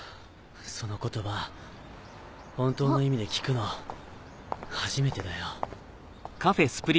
その言葉本当の意味で聞くの初めてだよ。